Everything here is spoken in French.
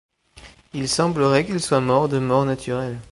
Il semblerait qu'il soit mort de mort naturelle.